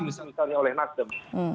misalnya oleh nasdem